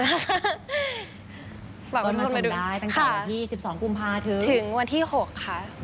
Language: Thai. เราต้องมาชมได้ตั้งแต่ที่๑๒กุมภาษาถึงค่ะถึงวันที่๖ค่ะ